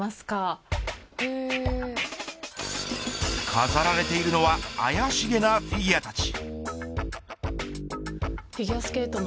飾られているのは怪しげなフィギュアたち。